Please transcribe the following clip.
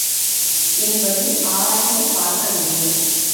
என்பதை ஆராய்ந்து பார்க்கவில்லை.